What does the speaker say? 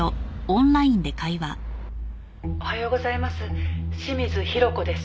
「おはようございます。